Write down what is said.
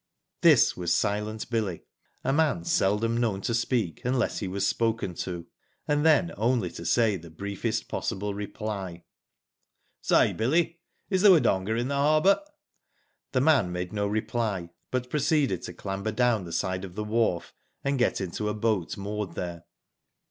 This was '' Silent Billy, " a man seldom known to speak unless he was spoken to, and then only to make the briefest possible reply. "Say, Billy, is the Wodonga in the harbour?" The man made no reply, but proceeded to clamber down the side of the wharf, and get into a boat moored there.